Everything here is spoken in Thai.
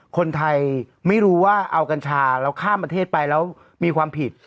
คนไทยไม่รู้ว่าเอากัญชาเราข้ามประเทศไปแล้วมีความผิด